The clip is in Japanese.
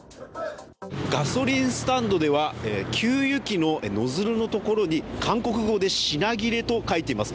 ガソリンスタンドでは給油機のノズルのところに韓国語で「品切れ」と書いています。